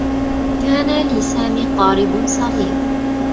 كان لسامي قارب صغير